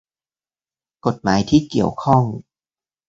กฎหมายที่เกี่ยวข้อง